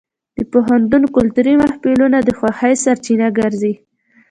د پوهنتون کلتوري محفلونه د خوښۍ سرچینه ګرځي.